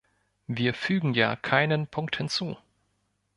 Wir fügen ja keinen Punkt hinzu.